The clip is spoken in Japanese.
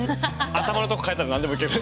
頭のとこ変えたら何でもいける。